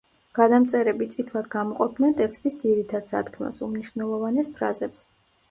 გადამწერები წითლად გამოყოფდნენ ტექსტის ძირითად სათქმელს, უმნიშვნელოვანეს ფრაზებს.